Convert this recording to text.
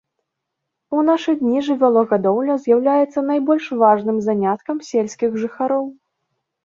У нашы дні жывёлагадоўля з'яўляецца найбольш важным заняткам сельскіх жыхароў.